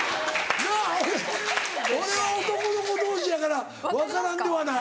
俺は男の子同士やから分からんではない。